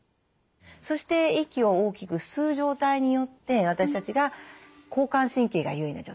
そして息を大きく吸う状態によって私たちが交感神経が優位な状態。